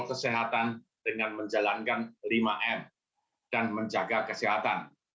kesehatan dengan menjalankan lima m dan menjaga kesehatan